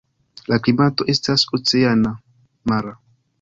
La klimato estas oceana (mara).